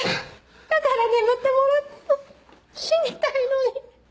だから眠ってもらったの死にたいのに。